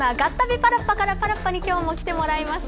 パラッパ！からパラッパに今日も来てもらいました。